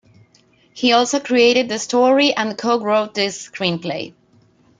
He also created the story and co-wrote the screenplay.